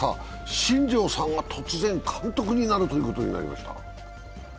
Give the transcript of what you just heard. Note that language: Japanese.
新庄さんが突然、監督になるということになりました。